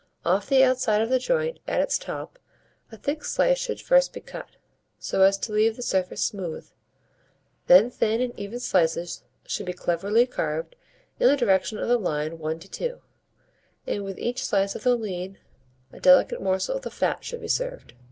Off the outside of the joint, at its top, a thick slice should first be cut, so as to leave the surface smooth; then thin and even slices should be cleverly carved in the direction of the line 1 to 2; and with each slice of the lean a delicate morsel of the fat should be served.